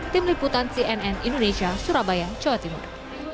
tim liputan cnn indonesia surabaya jawa timur